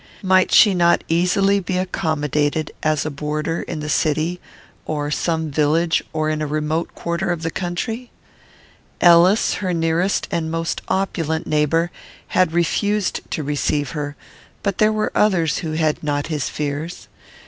Might she not easily be accommodated as a boarder in the city, or some village, or in a remote quarter of the country? Ellis, her nearest and most opulent neighbour, had refused to receive her; but there were others who had not his fears.